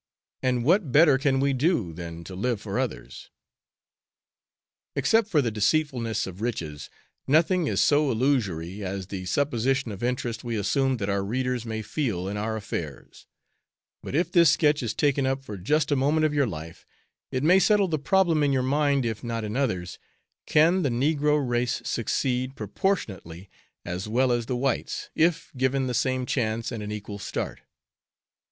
And what better can we do than to live for others? Except the deceitfulness of riches, nothing is so illusory as the supposition of interest we assume that our readers may feel in our affairs; but if this sketch is taken up for just a moment of your life, it may settle the problem in your mind, if not in others, "Can the negro race succeed, proportionately, as well as the whites, if given the same chance and an equal start?"